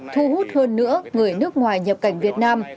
thu hút hơn nữa người nước ngoài nhập cảnh việt nam